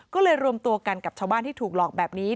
ก็เลยรวมตัวกันกับชาวบ้านที่ถูกหลอกแบบนี้